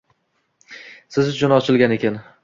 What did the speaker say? -Siz uchun ochilgan ekan.